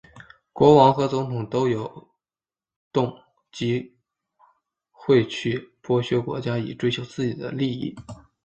国王和总统都有动机会去剥削国家以追求自己的利益。